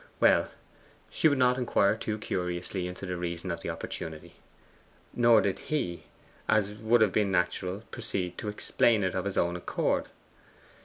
Well, she would not inquire too curiously into the reason of the opportunity, nor did he, as would have been natural, proceed to explain it of his own accord.